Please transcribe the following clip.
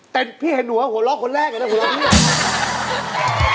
แต่พี่เห็นหนูว่าหัวร้องคนแรกอย่างนั้นหัวร้องพี่